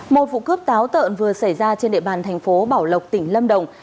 một vụ cướp táo tợn vừa xảy ra trên địa bàn thành phố bảo lộc tỉnh lâm đồng